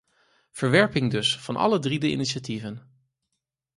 Verwerping dus van alle drie de initiatieven.